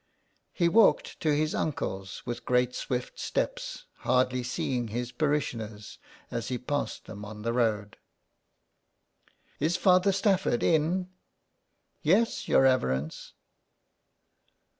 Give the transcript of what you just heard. He walked to his uncle's with great swift steps, hardly seeing his parishioners as he passed them on the road. *' Is Father Stafford in ?"" Yes, your reverence.'